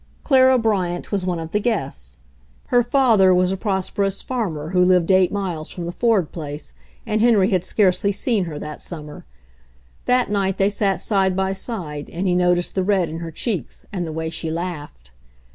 Clara Bryant was one of the guests. Her fa ther was a prosperous farmer who lived eight miles from the Ford place and Henry had scarcely seen her that summer. That night they sat side by side and he noticed the red in her cheeks and the way she laughed.